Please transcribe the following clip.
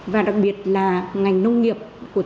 và đặc biệt là ngành nông nghiệp